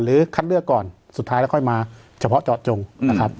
คัดเลือกก่อนสุดท้ายแล้วค่อยมาเฉพาะเจาะจงนะครับ